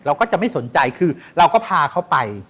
เราก็จะไม่สนใจคือเราก็พาเขาไป